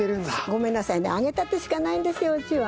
ごめんなさいね揚げたてしかないんですようちは。